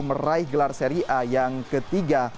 meraih gelar seri a yang ketiga